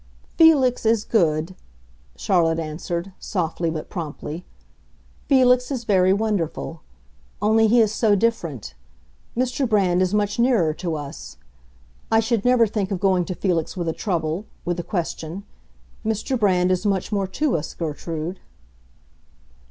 "Felix is good," Charlotte answered, softly but promptly. "Felix is very wonderful. Only he is so different. Mr. Brand is much nearer to us. I should never think of going to Felix with a trouble—with a question. Mr. Brand is much more to us, Gertrude."